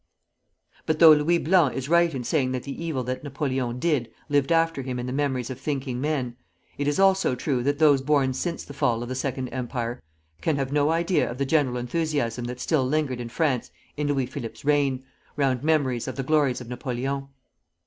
But though Louis Blanc is right in saying that the evil that Napoleon did, lived after him in the memories of thinking men, it is also true that those born since the fall of the Second Empire can have no idea of the general enthusiasm that still lingered in France in Louis Philippe's reign, round memories of the glories of Napoleon.